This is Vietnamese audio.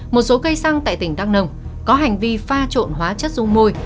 một số cây xăng tại tỉnh đắk nông có hành vi pha trộn hóa chất dung môi